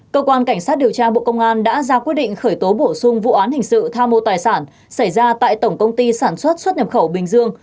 cơ quan cảnh sát điều tra bộ công an đang điều tra vụ án vi phạm quy định về quản lý sử dụng tài sản nhà nước gây thất thoát lãng phí xảy ra tại tổng công ty sản xuất xuất nhập khẩu bình dương